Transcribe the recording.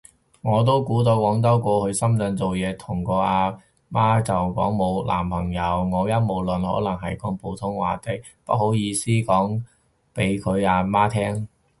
我都估到廣州過去深圳做嘢，同個啊媽就講冇男朋友。，我陰謀論可能係講普通話的，不好意思講畀佢啊媽聼